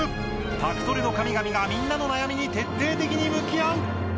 宅トレの神々がみんなの悩みに徹底的に向き合う！